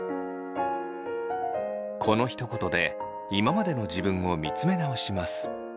このひと言で今までの自分を見つめ直します。